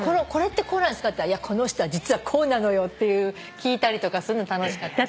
って言ったら「この人は実はこうなのよ」っていう聞いたりとかすんの楽しかった。